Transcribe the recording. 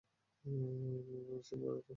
Mimi Mansingh Rathore.